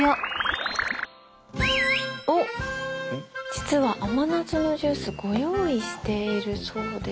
実は甘夏のジュースご用意しているそうです。